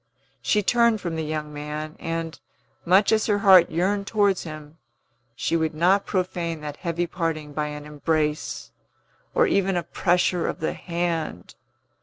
She turned from the young man, and, much as her heart yearned towards him, she would not profane that heavy parting by an embrace, or even a pressure of the hand.